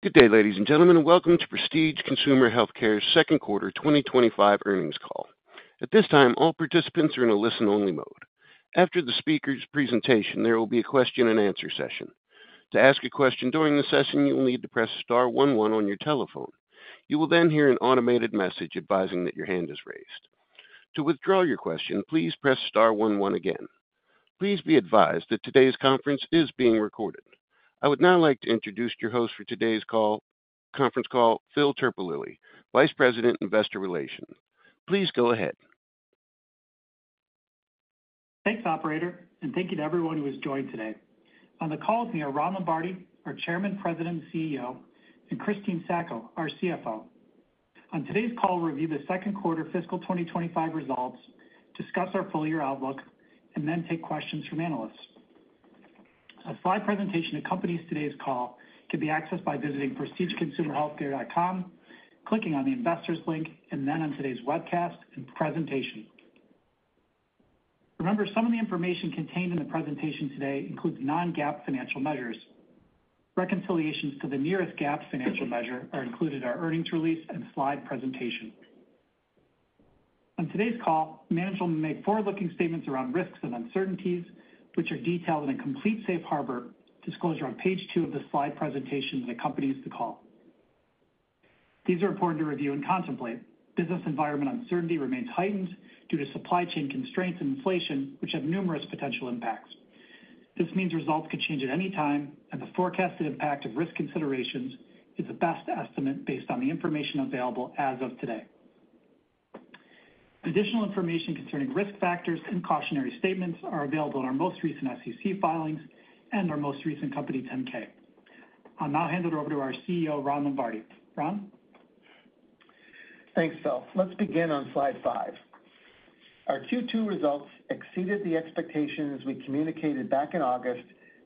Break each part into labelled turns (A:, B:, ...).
A: Good day, ladies and gentlemen, and welcome to Prestige Consumer Healthcare's Second Quarter 2025 Earnings Call. At this time, all participants are in a listen-only mode. After the speaker's presentation, there will be a question-and-answer session. To ask a question during the session, you will need to press star 11 on your telephone. You will then hear an automated message advising that your hand is raised. To withdraw your question, please press star 11 again. Please be advised that today's conference is being recorded. I would now like to introduce your host for today's conference call, Phil Terpolilli, Vice President, Investor Relations. Please go ahead.
B: Thanks, Operator, and thank you to everyone who has joined today. On the call today are Ron Lombardi, our Chairman, President, and CEO, and Christine Sacco, our CFO. On today's call, we'll review the second quarter fiscal 2025 results, discuss our full year outlook, and then take questions from analysts. A slide presentation accompanies today's call. It can be accessed by visiting prestigeconsumerhealthcare.com, clicking on the investors link, and then on today's webcast and presentation. Remember, some of the information contained in the presentation today includes non-GAAP financial measures. Reconciliations to the nearest GAAP financial measure are included in our earnings release and slide presentation. On today's call, management will make forward-looking statements around risks and uncertainties, which are detailed in a complete safe harbor disclosure on page two of the slide presentation that accompanies the call. These are important to review and contemplate. Business environment uncertainty remains heightened due to supply chain constraints and inflation, which have numerous potential impacts. This means results could change at any time, and the forecasted impact of risk considerations is the best estimate based on the information available as of today. Additional information concerning risk factors and cautionary statements are available in our most recent SEC filings and our most recent Company 10-K. I'll now hand it over to our CEO, Ron Lombardi. Ron?
C: Thanks, Phil. Let's begin on slide five. Our Q2 results exceeded the expectations we communicated back in August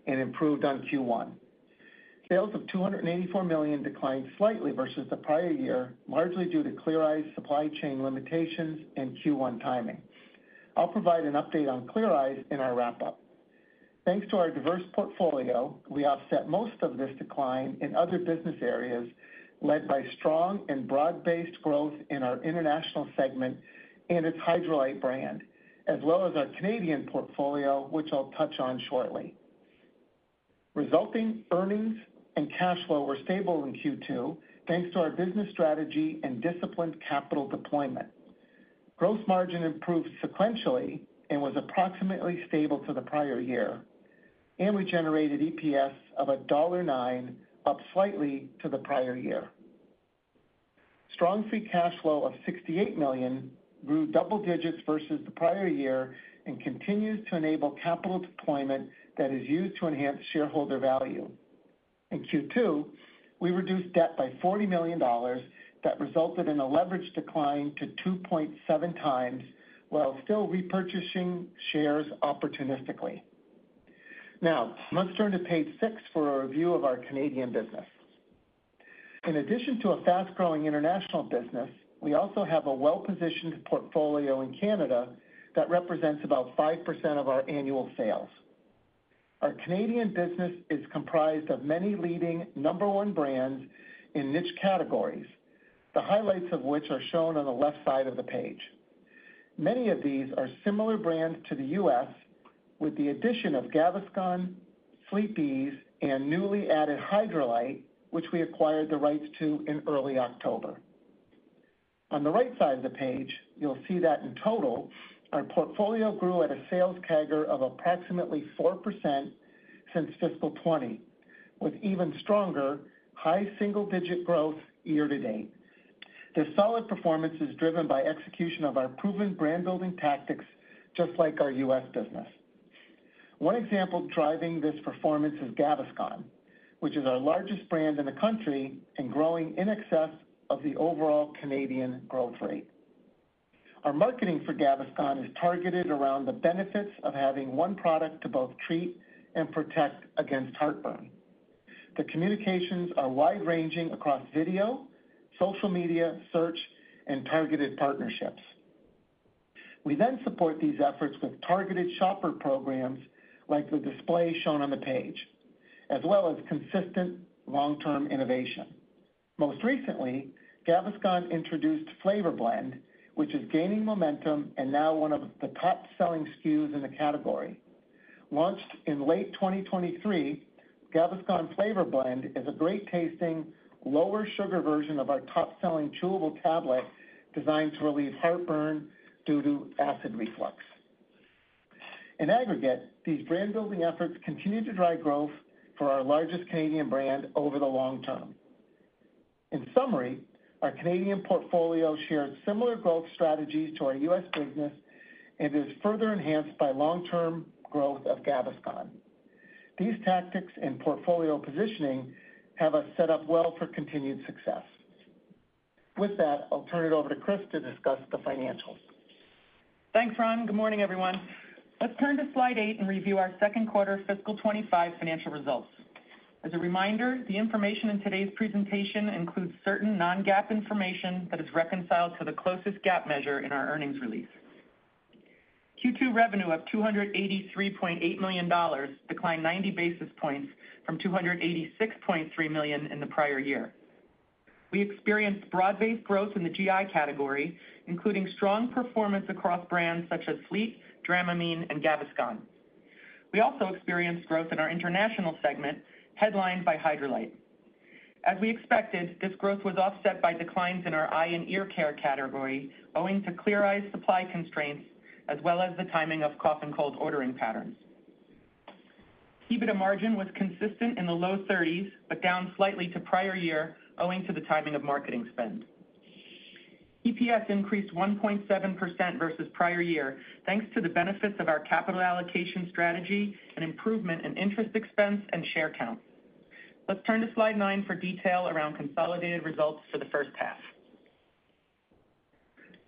C: and improved on Q1. Sales of $284 million declined slightly versus the prior year, largely due to Clear Eyes' supply chain limitations and Q1 timing. I'll provide an update on Clear Eyes' in our wrap-up. Thanks to our diverse portfolio, we offset most of this decline in other business areas led by strong and broad-based growth in our international segment and its Hydralyte brand, as well as our Canadian portfolio, which I'll touch on shortly. Resulting earnings and cash flow were stable in Q2 thanks to our business strategy and disciplined capital deployment. Gross margin improved sequentially and was approximately stable to the prior year, and we generated EPS of $1.09, up slightly to the prior year. Strong free cash flow of $68 million grew double digits versus the prior year and continues to enable capital deployment that is used to enhance shareholder value. In Q2, we reduced debt by $40 million, that resulted in a leverage decline to 2.7 times while still repurchasing shares opportunistically. Now, let's turn to page six for a review of our Canadian business. In addition to a fast-growing international business, we also have a well-positioned portfolio in Canada that represents about 5% of our annual sales. Our Canadian business is comprised of many leading number-one brands in niche categories, the highlights of which are shown on the left side of the page. Many of these are similar brands to the U.S., with the addition of Gaviscon, Sleep-Eze and newly added Hydralyte, which we acquired the rights to in early October. On the right side of the page, you'll see that in total, our portfolio grew at a sales CAGR of approximately 4% since fiscal 2020, with even stronger high single-digit growth year to date. This solid performance is driven by execution of our proven brand-building tactics, just like our U.S. business. One example driving this performance is Gaviscon, which is our largest brand in the country and growing in excess of the overall Canadian growth rate. Our marketing for Gaviscon is targeted around the benefits of having one product to both treat and protect against heartburn. The communications are wide-ranging across video, social media, search, and targeted partnerships. We then support these efforts with targeted shopper programs like the display shown on the page, as well as consistent long-term innovation. Most recently, Gaviscon introduced Flavor Blend, which is gaining momentum and now one of the top-selling SKUs in the category. Launched in late 2023, Gaviscon Flavor Blend is a great-tasting, lower-sugar version of our top-selling chewable tablet designed to relieve heartburn due to acid reflux. In aggregate, these brand-building efforts continue to drive growth for our largest Canadian brand over the long term. In summary, our Canadian portfolio shares similar growth strategies to our U.S. business and is further enhanced by long-term growth of Gaviscon. These tactics and portfolio positioning have us set up well for continued success. With that, I'll turn it over to Chris to discuss the financials.
D: Thanks, Ron. Good morning, everyone. Let's turn to slide eight and review our second quarter fiscal 25 financial results. As a reminder, the information in today's presentation includes certain non-GAAP information that is reconciled to the closest GAAP measure in our earnings release. Q2 revenue of $283.8 million declined 90 basis points from $286.3 million in the prior year. We experienced broad-based growth in the GI category, including strong performance across brands such as Fleet, Dramamine, and Gaviscon. We also experienced growth in our international segment headlined by Hydralyte. As we expected, this growth was offset by declines in our eye and ear care category, owing to Clear Eyes supply constraints as well as the timing of cough and cold ordering patterns. EBITDA margin was consistent in the low 30s but down slightly to prior year, owing to the timing of marketing spend. EPS increased 1.7% versus prior year thanks to the benefits of our capital allocation strategy and improvement in interest expense and share count. Let's turn to slide nine for detail around consolidated results for the first half.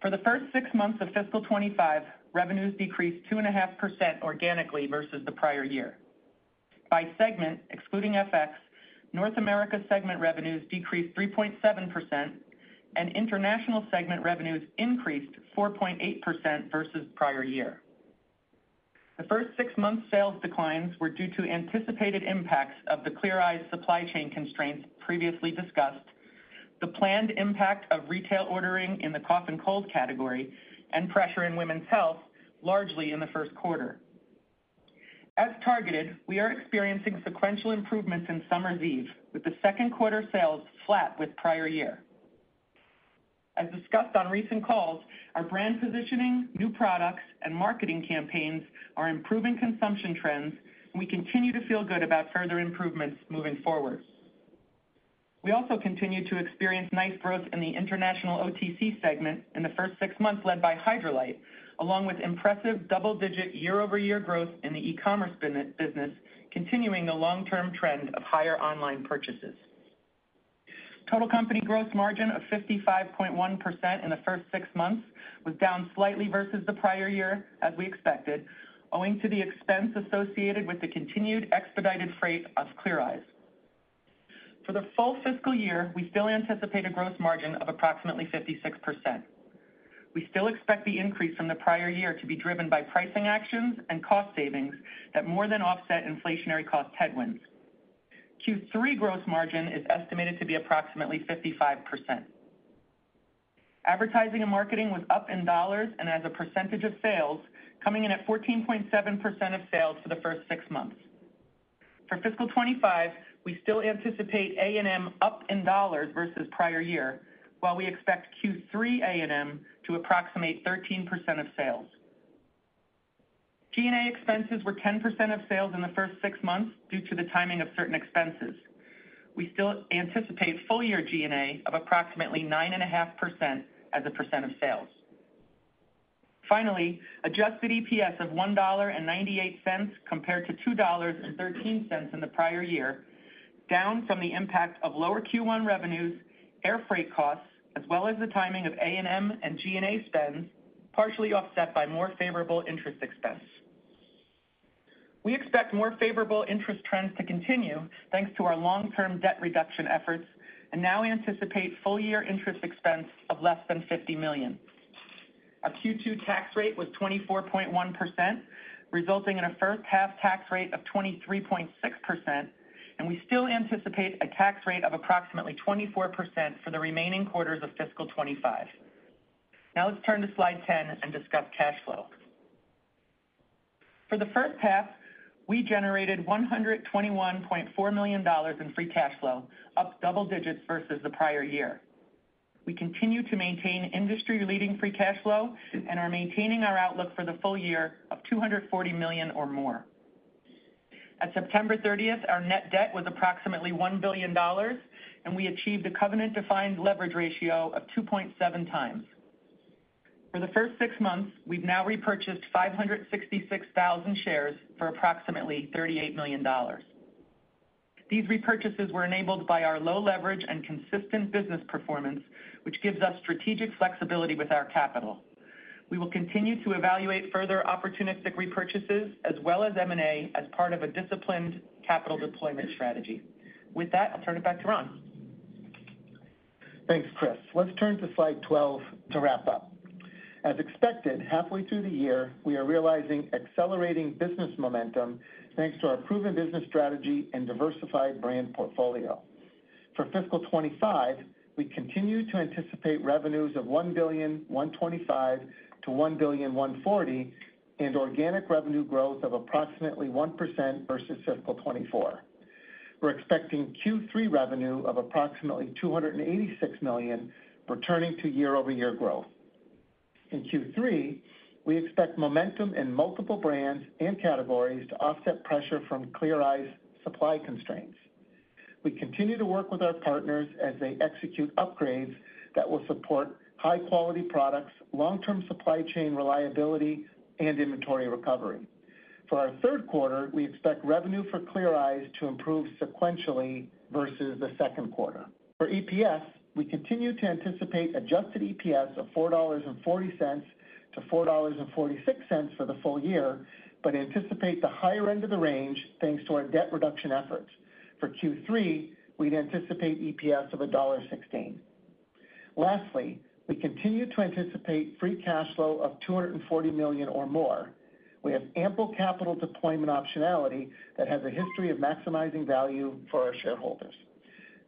D: For the first six months of fiscal 2025, revenues decreased 2.5% organically versus the prior year. By segment, excluding FX, North America segment revenues decreased 3.7%, and international segment revenues increased 4.8% versus prior year. The first six months' sales declines were due to anticipated impacts of the Clear Eyes' supply chain constraints previously discussed, the planned impact of retail ordering in the cough and cold category, and pressure in women's health, largely in the first quarter. As targeted, we are experiencing sequential improvements in Summer's Eve, with the second quarter sales flat with prior year. As discussed on recent calls, our brand positioning, new products, and marketing campaigns are improving consumption trends, and we continue to feel good about further improvements moving forward. We also continue to experience nice growth in the international OTC segment in the first six months led by Hydralyte, along with impressive double-digit year-over-year growth in the e-commerce business, continuing the long-term trend of higher online purchases. Total company gross margin of 55.1% in the first six months was down slightly versus the prior year, as we expected, owing to the expense associated with the continued expedited freight of Clear Eyes. For the full fiscal year, we still anticipate a gross margin of approximately 56%. We still expect the increase from the prior year to be driven by pricing actions and cost savings that more than offset inflationary cost headwinds. Q3 gross margin is estimated to be approximately 55%. Advertising and marketing was up in dollars and as a percentage of sales, coming in at 14.7% of sales for the first six months. For fiscal 2025, we still anticipate A&M up in dollars versus prior year, while we expect Q3 A&M to approximate 13% of sales. G&A expenses were 10% of sales in the first six months due to the timing of certain expenses. We still anticipate full-year G&A of approximately 9.5% as a % of sales. Finally, adjusted EPS of $1.98 compared to $2.13 in the prior year, down from the impact of lower Q1 revenues, air freight costs, as well as the timing of A&M and G&A spends, partially offset by more favorable interest expense. We expect more favorable interest trends to continue thanks to our long-term debt reduction efforts and now anticipate full-year interest expense of less than $50 million. Our Q2 tax rate was 24.1%, resulting in a first-half tax rate of 23.6%, and we still anticipate a tax rate of approximately 24% for the remaining quarters of fiscal 2025. Now let's turn to slide 10 and discuss cash flow. For the first half, we generated $121.4 million in free cash flow, up double digits versus the prior year. We continue to maintain industry-leading free cash flow and are maintaining our outlook for the full year of $240 million or more. At September 30th, our net debt was approximately $1 billion, and we achieved a covenant-defined leverage ratio of 2.7 times. For the first six months, we've now repurchased 566,000 shares for approximately $38 million. These repurchases were enabled by our low leverage and consistent business performance, which gives us strategic flexibility with our capital. We will continue to evaluate further opportunistic repurchases as well as M&A as part of a disciplined capital deployment strategy. With that, I'll turn it back to Ron.
C: Thanks, Chris. Let's turn to slide 12 to wrap up. As expected, halfway through the year, we are realizing accelerating business momentum thanks to our proven business strategy and diversified brand portfolio. For fiscal 25, we continue to anticipate revenues of $1,125,000-$1,140,000 and organic revenue growth of approximately 1% versus fiscal 24. We're expecting Q3 revenue of approximately $286 million, returning to year-over-year growth. In Q3, we expect momentum in multiple brands and categories to offset pressure from Clear Eyes' supply constraints. We continue to work with our partners as they execute upgrades that will support high-quality products, long-term supply chain reliability, and inventory recovery. For our third quarter, we expect revenue for Clear Eyes' to improve sequentially versus the second quarter. For EPS, we continue to anticipate adjusted EPS of $4.40 to $4.46 for the full year, but anticipate the higher end of the range thanks to our debt reduction efforts. For Q3, we'd anticipate EPS of $1.16. Lastly, we continue to anticipate free cash flow of $240 million or more. We have ample capital deployment optionality that has a history of maximizing value for our shareholders.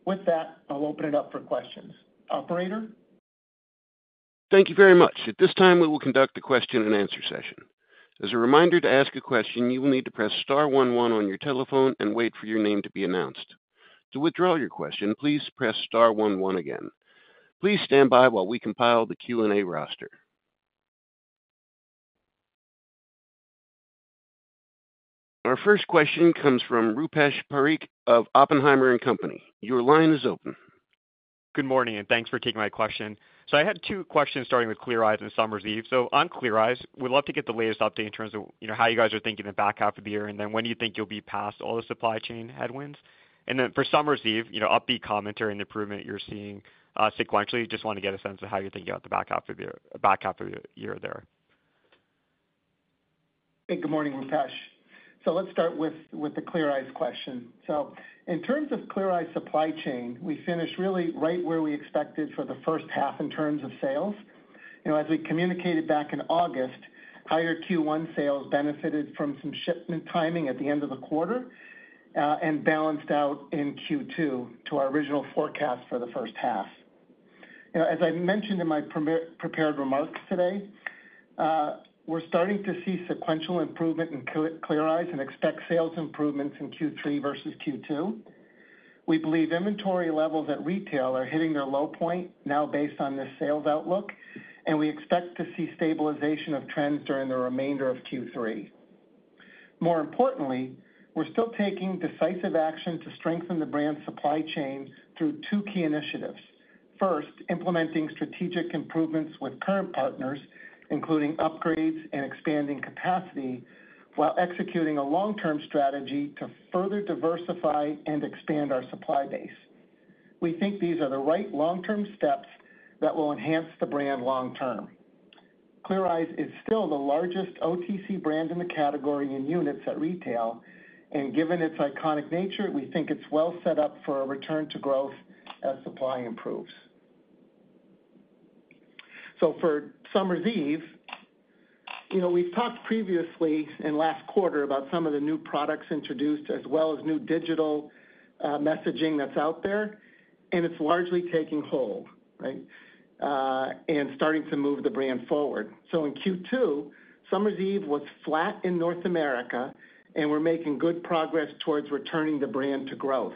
C: With that, I'll open it up for questions. Operator?
A: Thank you very much. At this time, we will conduct a question-and-answer session. As a reminder to ask a question, you will need to press star 11 on your telephone and wait for your name to be announced. To withdraw your question, please press star 11 again. Please stand by while we compile the Q&A roster. Our first question comes from Rupesh Parikh of Oppenheimer & Company. Your line is open.
E: Good morning, and thanks for taking my question. So I had two questions starting with Clear Eyes and Summer's Eve. So on Clear Eyes, we'd love to get the latest update in terms of how you guys are thinking the back half of the year and then when you think you'll be past all the supply chain headwinds. And then for Summer's Eve, upbeat commentary and improvement you're seeing sequentially. Just want to get a sense of how you're thinking about the back half of the year there.
C: Hey, good morning, Rupesh. So let's start with the Clear Eyes question. So in terms of Clear Eyes' supply chain, we finished really right where we expected for the first half in terms of sales. As we communicated back in August, higher Q1 sales benefited from some shipment timing at the end of the quarter and balanced out in Q2 to our original forecast for the first half. As I mentioned in my prepared remarks today, we're starting to see sequential improvement in Clear Eyes' and expect sales improvements in Q3 versus Q2. We believe inventory levels at retail are hitting their low point now based on this sales outlook, and we expect to see stabilization of trends during the remainder of Q3. More importantly, we're still taking decisive action to strengthen the brand's supply chain through two key initiatives. First, implementing strategic improvements with current partners, including upgrades and expanding capacity, while executing a long-term strategy to further diversify and expand our supply base. We think these are the right long-term steps that will enhance the brand long-term. Clear Eyes is still the largest OTC brand in the category in units at retail, and given its iconic nature, we think it's well set up for a return to growth as supply improves. So for Summer's Eve, we've talked previously in last quarter about some of the new products introduced as well as new digital messaging that's out there, and it's largely taking hold and starting to move the brand forward. So in Q2, Summer's Eve was flat in North America, and we're making good progress towards returning the brand to growth.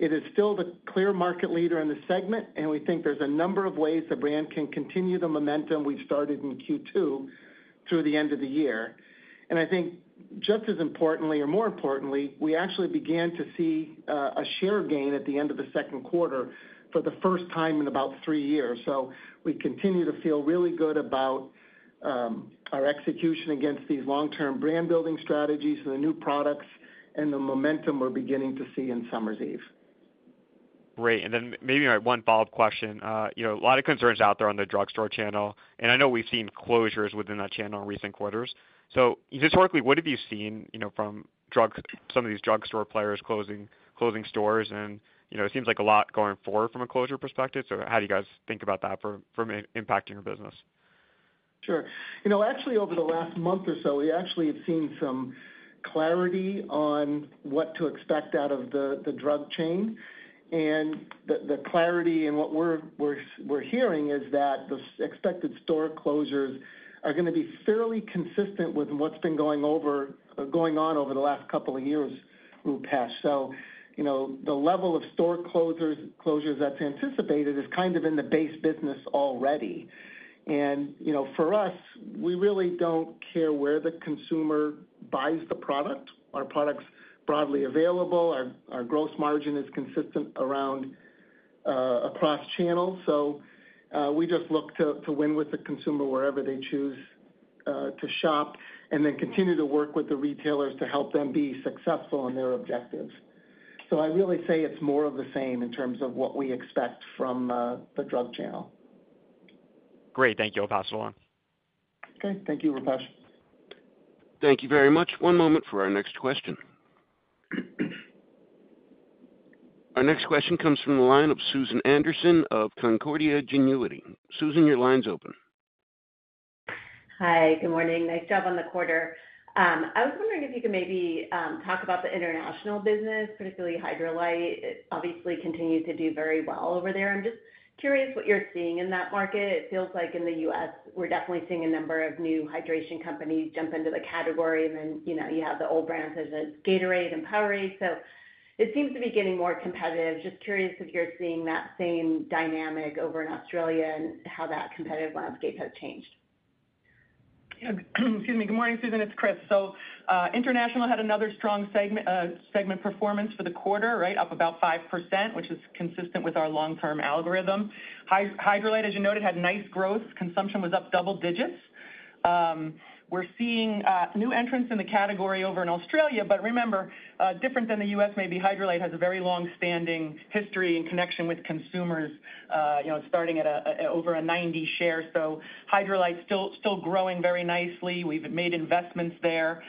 C: It is still the clear market leader in the segment, and we think there's a number of ways the brand can continue the momentum we've started in Q2 through the end of the year. And I think just as importantly, or more importantly, we actually began to see a share gain at the end of the second quarter for the first time in about three years. So we continue to feel really good about our execution against these long-term brand-building strategies and the new products and the momentum we're beginning to see in Summer's Eve.
E: Great, and then maybe my one follow-up question. A lot of concerns out there on the drugstore channel, and I know we've seen closures within that channel in recent quarters, so historically, what have you seen from some of these drugstore players closing stores, and it seems like a lot going forward from a closure perspective, so how do you guys think about that from impacting your business?
C: Sure. Actually, over the last month or so, we actually have seen some clarity on what to expect out of the drug chain, and the clarity and what we're hearing is that the expected store closures are going to be fairly consistent with what's been going on over the last couple of years, Rupesh, so the level of store closures that's anticipated is kind of in the base business already, and for us, we really don't care where the consumer buys the product. Our product's broadly available. Our gross margin is consistent across channels, so we just look to win with the consumer wherever they choose to shop and then continue to work with the retailers to help them be successful in their objectives, so I really say it's more of the same in terms of what we expect from the drug channel.
E: Great. Thank you, all for now.
C: Okay. Thank you, Rupesh.
A: Thank you very much. One moment for our next question. Our next question comes from the line of Susan Anderson of Canaccord Genuity. Susan, your line's open.
F: Hi. Good morning. Nice job on the quarter. I was wondering if you could maybe talk about the international business, particularly Hydralyte. It obviously continues to do very well over there. I'm just curious what you're seeing in that market. It feels like in the U.S., we're definitely seeing a number of new hydration companies jump into the category, and then you have the old brands such as Gatorade and Powerade. So it seems to be getting more competitive. Just curious if you're seeing that same dynamic over in Australia and how that competitive landscape has changed.
D: Excuse me. Good morning, Susan. It's Chris. So international had another strong segment performance for the quarter, right, up about 5%, which is consistent with our long-term algorithm. Hydralyte, as you noted, had nice growth. Consumption was up double digits. We're seeing new entrants in the category over in Australia. But remember, different than the U.S., maybe Hydralyte has a very long-standing history and connection with consumers, starting at over a 90% share. So Hydralyte's still growing very nicely. We've made investments there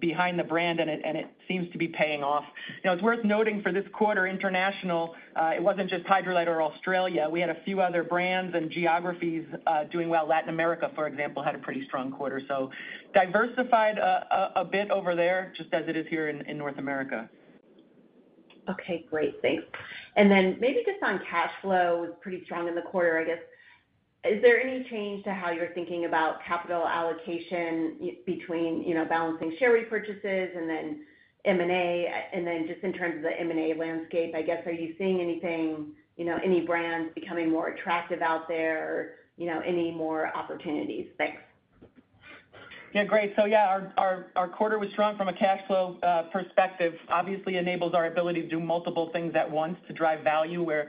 D: behind the brand, and it seems to be paying off. It's worth noting for this quarter, international, it wasn't just Hydralyte or Australia. We had a few other brands and geographies doing well. Latin America, for example, had a pretty strong quarter. So diversified a bit over there, just as it is here in North America.
F: Okay. Great. Thanks. And then maybe just on cash flow, it was pretty strong in the quarter, I guess. Is there any change to how you're thinking about capital allocation between balancing share repurchases and then M&A? And then just in terms of the M&A landscape, I guess, are you seeing anything, any brands becoming more attractive out there, any more opportunities? Thanks.
D: Yeah. Great. So yeah, our quarter was strong from a cash flow perspective. Obviously, it enables our ability to do multiple things at once to drive value with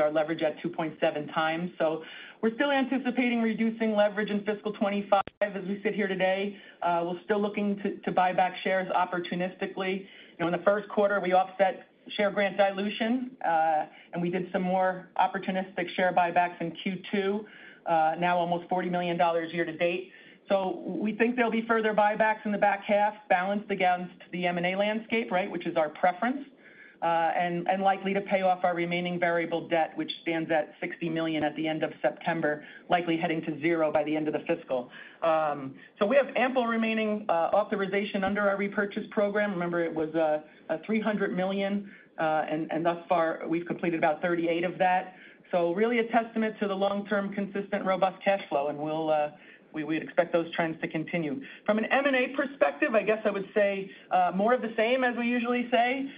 D: our leverage at 2.7 times. So we're still anticipating reducing leverage in fiscal 2025 as we sit here today. We're still looking to buy back shares opportunistically. In the first quarter, we offset share grant dilution, and we did some more opportunistic share buybacks in Q2, now almost $40 million year to date. So we think there'll be further buybacks in the back half balanced against the M&A landscape, right, which is our preference, and likely to pay off our remaining variable debt, which stands at $60 million at the end of September, likely heading to zero by the end of the fiscal. So we have ample remaining authorization under our repurchase program. Remember, it was $300 million, and thus far, we've completed about 38 of that. So really a testament to the long-term, consistent, robust cash flow, and we expect those trends to continue. From an M&A perspective, I guess I would say more of the same, as we usually say.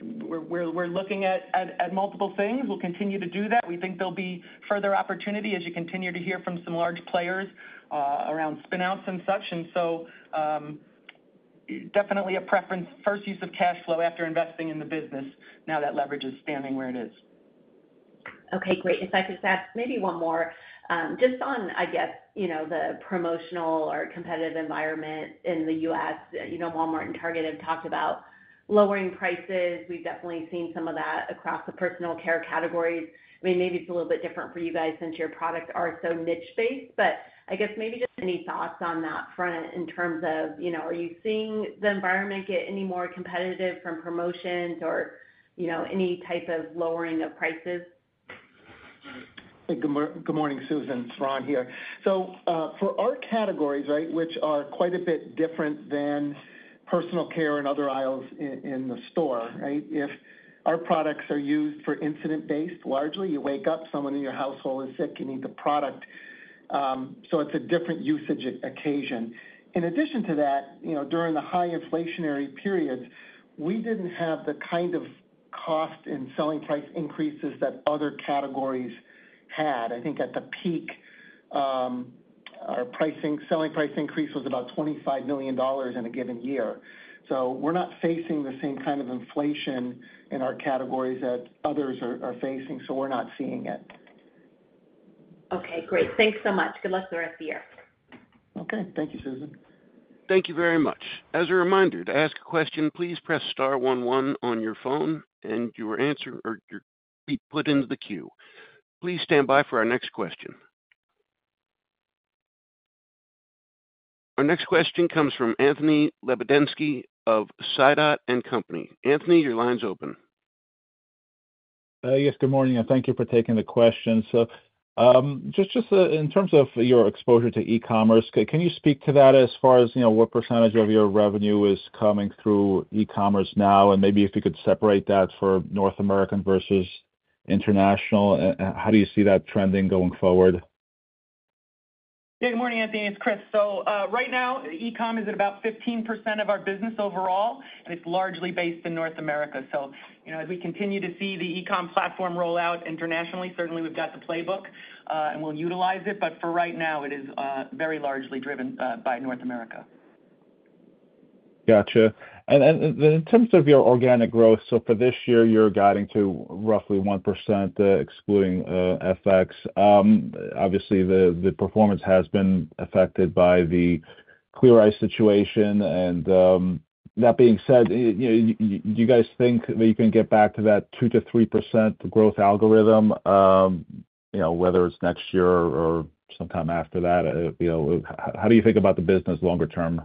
D: We're looking at multiple things. We'll continue to do that. We think there'll be further opportunity as you continue to hear from some large players around spinouts and such. And so definitely a preference, first use of cash flow after investing in the business, now that leverage is standing where it is.
F: Okay. Great. If I could just ask maybe one more, just on, I guess, the promotional or competitive environment in the U.S., Walmart and Target have talked about lowering prices. We've definitely seen some of that across the personal care categories. I mean, maybe it's a little bit different for you guys since your products are so niche-based, but I guess maybe just any thoughts on that front in terms of, are you seeing the environment get any more competitive from promotions or any type of lowering of prices?
C: Good morning, Susan. It's Ron here. So for our categories, right, which are quite a bit different than personal care and other aisles in the store, right, if our products are used for incident-based, largely, you wake up, someone in your household is sick, you need the product. So it's a different usage occasion. In addition to that, during the high inflationary periods, we didn't have the kind of cost and selling price increases that other categories had. I think at the peak, our selling price increase was about $25 million in a given year. So we're not facing the same kind of inflation in our categories that others are facing, so we're not seeing it.
F: Okay. Great. Thanks so much. Good luck with the rest of the year.
C: Okay. Thank you, Susan.
A: Thank you very much. As a reminder, to ask a question, please press star 11 on your phone, and your answer will be put into the queue. Please stand by for our next question. Our next question comes from Anthony Lebiedzinski of Sidoti & Company. Anthony, your line's open.
G: Yes, good morning, and thank you for taking the question. So just in terms of your exposure to e-commerce, can you speak to that as far as what percentage of your revenue is coming through e-commerce now? And maybe if you could separate that for North America versus international, how do you see that trending going forward?
D: Yeah. Good morning, Anthony. It's Chris. So right now, e-com is at about 15% of our business overall, and it's largely based in North America. So as we continue to see the e-com platform roll out internationally, certainly we've got the playbook, and we'll utilize it. But for right now, it is very largely driven by North America.
G: Gotcha. And then in terms of your organic growth, so for this year, you're guiding to roughly 1%, excluding FX. Obviously, the performance has been affected by the Clear Eyes situation. And that being said, do you guys think that you can get back to that 2%-3% growth algorithm, whether it's next year or sometime after that? How do you think about the business longer term?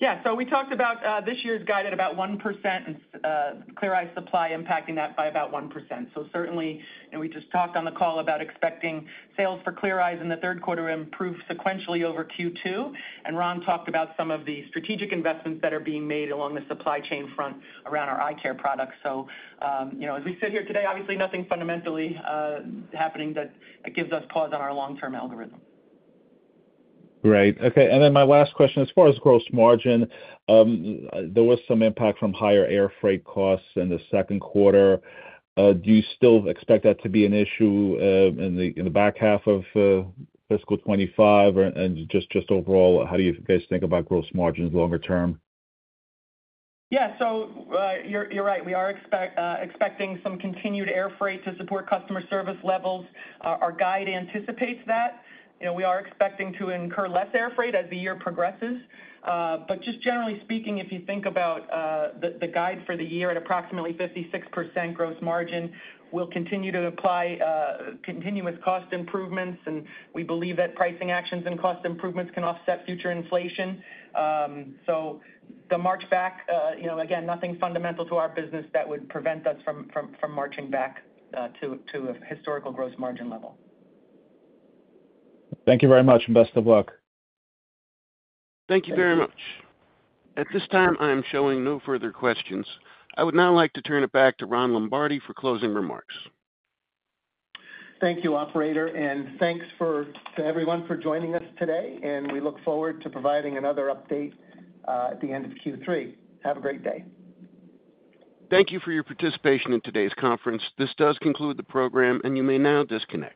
D: Yeah. So we talked about this year's guide at about 1%, and Clear Eyes supply impacting that by about 1%. So certainly, we just talked on the call about expecting sales for Clear Eyes in the third quarter to improve sequentially over Q2. And Ron talked about some of the strategic investments that are being made along the supply chain front around our eye care products. So as we sit here today, obviously, nothing fundamentally happening that gives us pause on our long-term algorithm.
G: Great. Okay. And then my last question, as far as gross margin, there was some impact from higher air freight costs in the second quarter. Do you still expect that to be an issue in the back half of fiscal 2025? And just overall, how do you guys think about gross margins longer term?
D: Yeah. So you're right. We are expecting some continued air freight to support customer service levels. Our guide anticipates that. We are expecting to incur less air freight as the year progresses. But just generally speaking, if you think about the guide for the year at approximately 56% gross margin, we'll continue to apply continuous cost improvements, and we believe that pricing actions and cost improvements can offset future inflation. So the march back, again, nothing fundamental to our business that would prevent us from marching back to a historical gross margin level.
G: Thank you very much, and best of luck.
A: Thank you very much. At this time, I am showing no further questions. I would now like to turn it back to Ron Lombardi for closing remarks.
C: Thank you, operator, and thanks to everyone for joining us today, and we look forward to providing another update at the end of Q3. Have a great day.
A: Thank you for your participation in today's conference. This does conclude the program, and you may now disconnect.